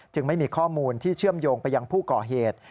ไม่มีข้อมูลที่เชื่อมโยงไปยังผู้ก่อเหตุ